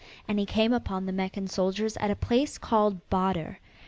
And he came upon the Meccan soldiers at a place called Badrh.